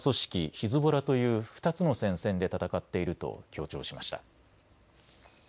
ヒズボラという２つの戦線で戦っていると強調しました。